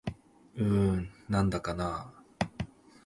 うーん、なんだかなぁ